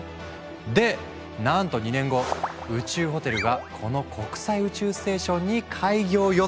でなんと２年後宇宙ホテルがこの国際宇宙ステーションに開業予定！